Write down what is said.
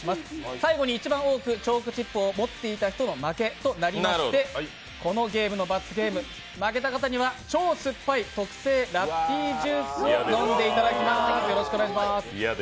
最後に一番多くチョークチップを持っていた人の負けとなりましてこのゲームの罰ゲーム、負けた方には超酸っぱい特製ラッピージュースを飲んでいただきます。